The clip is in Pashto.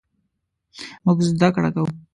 مونږ زده کړه کوو